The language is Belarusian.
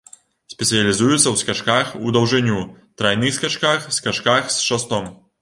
Спецыялізуецца ў скачках у даўжыню, трайных скачках, скачках з шастом.